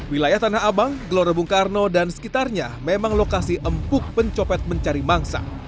wilayah tanah abang gelora bung karno dan sekitarnya memang lokasi empuk pencopet mencari mangsa